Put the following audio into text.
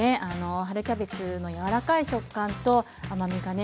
春キャベツの柔らかい食感と甘みがね